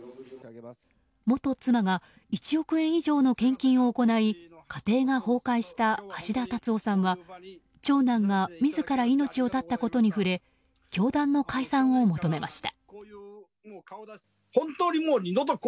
元妻が１億円以上の献金を行い家庭が崩壊した橋田達夫さんは長男が自ら命を絶ったことに触れ教団の解散を求めました。